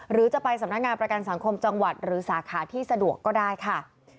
หรือจะไปสำนักงานประกันสังคมจังหวัดหรือสาขาที่สะดวกก็ได้ค่ะ